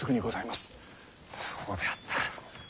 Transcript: そうであった。